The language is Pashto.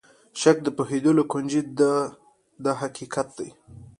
شک د پوهېدلو کونجۍ ده دا حقیقت دی.